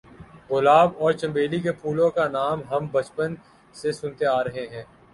گلاب اور چنبیلی کے پھولوں کا نام ہم بچپن سے سنتے آ رہے ہیں۔